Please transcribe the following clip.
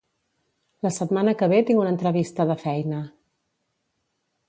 La setmana que ve tinc una entrevista de feina.